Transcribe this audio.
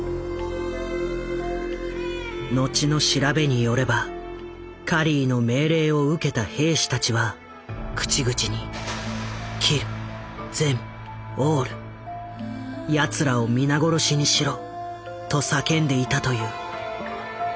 後の調べによればカリーの命令を受けた兵士たちは口々に「キル・ゼム・オール」と叫んでいたという。